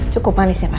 cukup manis ya pak